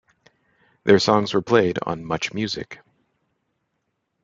Their songs were played on MuchMusic.